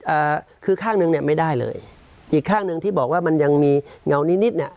อ่าคือข้างหนึ่งเนี้ยไม่ได้เลยอีกข้างหนึ่งที่บอกว่ามันยังมีเงามี้นิดนิดเนี้ย